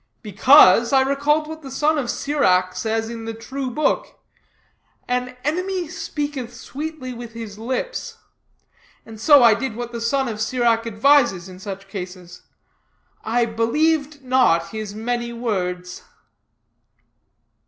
"Because, I recalled what the son of Sirach says in the True Book: 'An enemy speaketh sweetly with his lips;' and so I did what the son of Sirach advises in such cases: 'I believed not his many words.'"